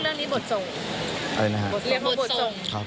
เรียกว่าบทส่ง